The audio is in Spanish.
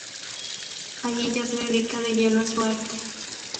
Allí ya se dedica de lleno a su arte.